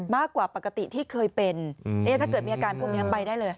มากกว่าปกติที่เคยเป็นถ้าเกิดมีอาการพวกนี้ไปได้เลย